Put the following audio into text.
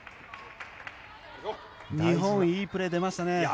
日本、いいプレー出ましたね。